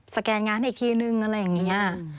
แกนงานอีกทีนึงอะไรอย่างนี้